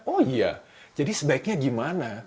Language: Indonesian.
oh iya jadi sebaiknya gimana